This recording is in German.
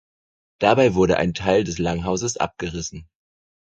Dabei wurde ein Teil des Langhauses abgerissen.